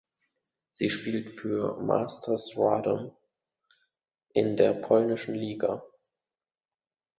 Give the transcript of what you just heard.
Sie spielt für "Masters Radom" in der polnischen Liga.